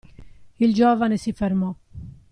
Il giovane si fermò.